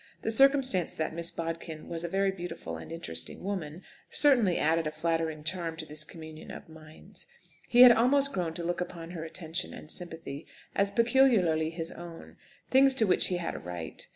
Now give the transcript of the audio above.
The circumstance that Miss Bodkin was a very beautiful and interesting woman, certainly added a flattering charm to this communion of minds. He had almost grown to look upon her attention and sympathy as peculiarly his own things to which he had a right.